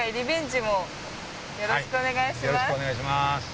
よろしくお願いします。